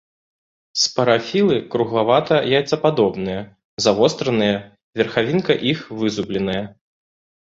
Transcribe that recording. Спарафілы круглавата-яйцападобныя, завостраныя, верхавінка іх вызубленая.